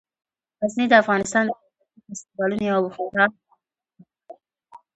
غزني د افغانستان د فرهنګي فستیوالونو یوه خورا مهمه برخه ده.